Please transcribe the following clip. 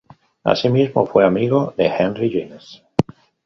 Asimismo fue amigo de Henry James.